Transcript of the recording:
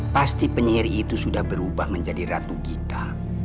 pasti penyihir itu sudah berubah menjadi ratu gita